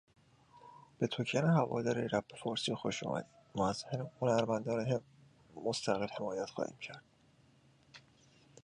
It distributes ShowNews, a daily printed show report, at major international air shows.